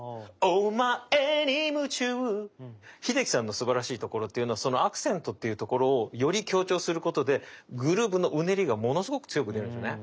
おまえにむちゅう秀樹さんのすばらしいところっていうのはそのアクセントっていうところをより強調することでグルーブのうねりがものすごく強く出るんですよね。